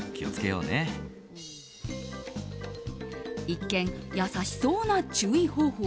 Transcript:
一見優しそうな注意方法。